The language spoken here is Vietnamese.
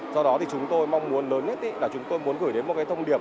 do đó thì chúng tôi mong muốn lớn nhất là chúng tôi muốn gửi đến một cái thông điệp